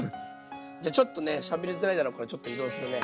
じゃちょっとねしゃべりづらいだろうからちょっと移動するね。